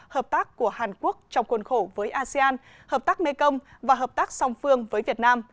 hợp tác của hàn quốc trong khuôn khổ với asean hợp tác mekong và hợp tác song phương với việt nam